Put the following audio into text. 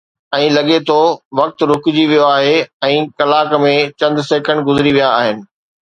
۽ لڳي ٿو وقت رڪجي ويو آهي ۽ ڪلاڪ ۾ چند سيڪنڊ گذري ويا آهن